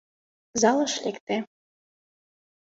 Залыш лекте.